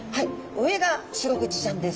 上がシログチちゃんです。